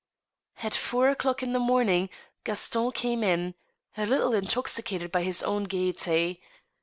At four o'clock in the ftioming Gaston came in, a little intoxi cated by his own gayety.